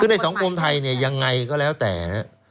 คือในสังคมไทยยังไงก็แล้วแต่